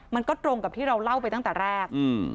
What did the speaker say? มันก็ตรงกับที่เราเล่าไปตั้งแต่แรก